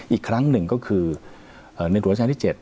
อีกครั้งหนึ่งก็คือในหัวราชการที่๗